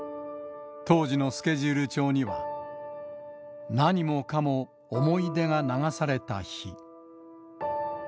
当時のスケジュール帳には、何もかも想い出が流された日。